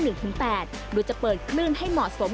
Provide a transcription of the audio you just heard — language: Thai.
หรือจะเปิดคลื่นให้เหมาะสม